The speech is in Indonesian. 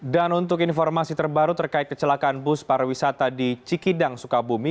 dan untuk informasi terbaru terkait kecelakaan bus para wisata di cikidang sukabumi